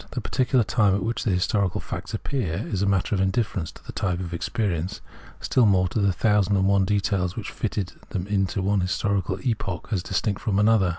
The particular time at which the historical facts appeared is a matter of indifference to the type of experience ; still more so the thousand and one details which fitted them into one historical epoch as distinct from another.